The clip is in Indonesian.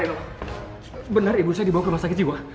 aduh bener ibu saya dibawa ke rumah sakit jiwa